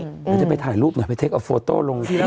ไม่ได้ไปถ่ายรูปเนี่ยไปเทคเอาโฟโต้ลงที่นั่นก่อน